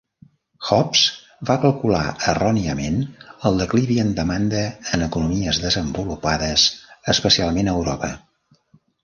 Hobbs va calcular erròniament el declivi en demanda en economies desenvolupades, especialment a Europa.